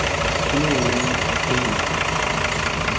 Nu, legu!